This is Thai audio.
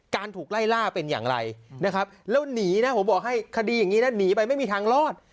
ถูกไล่ล่าเป็นอย่างไรนะครับแล้วหนีนะผมบอกให้คดีอย่างนี้นะหนีไปไม่มีทางรอด